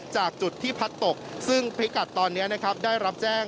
จากจุดที่พัดตกซึ่งพิกัดตอนนี้นะครับได้รับแจ้ง